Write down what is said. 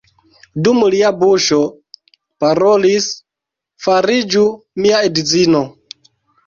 Dum lia buŝo parolis: fariĝu mia edzino!